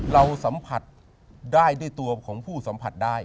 เราสัมผัสได้ด้วยตัวของผู้สัมผัสได้